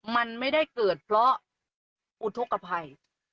มันไม่ได้เกิดเพราะอุทธกภัย